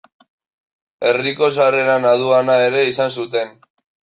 Herriko sarreran aduana ere izan zuten.